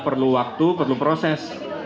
perlu waktu perlu proses